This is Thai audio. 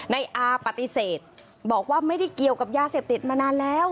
ในอาปฏิเสธบอกว่าไม่ได้เกี่ยวกับยาเสพติดมานานแล้ว